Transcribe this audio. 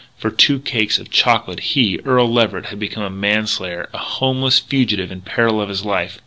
For two cakes of chocolate he, Earl Leverett, had become a man slayer, a homeless fugitive in peril of his life.